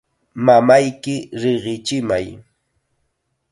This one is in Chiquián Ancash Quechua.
Mamayki riqichimay.